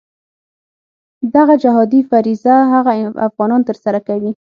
دغه جهادي فریضه هغه افغانان ترسره کوي.